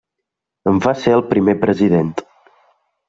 En va ser el primer president.